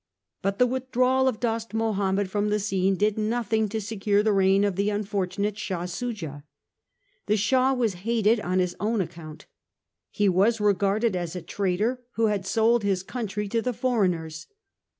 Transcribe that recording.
But the withdrawal of Dost Mahomed from the scene did nothing to secure the reign of the unfortu nate Shah Soojah. The Shah was hated on his own account. He was regarded as a traitor who had sold his country to the foreigners.